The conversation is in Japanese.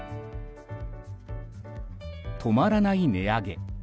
止まらない値上げ。